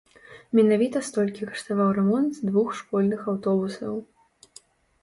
Менавіта столькі каштаваў рамонт двух школьных аўтобусаў.